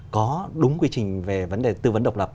có đúng quy trình về vấn đề tư vấn độc lập